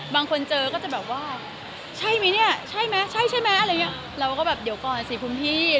บางคนเจอก็จะแบบว่าใช่มั้ยเนี่ยใช่ใช่มั้ยเราก็แบบเดี๋ยวก่อนสิคุณพี่